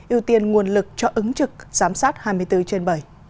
ưu tiên nguồn lực cho ứng trực giám sát hai mươi bốn trên bảy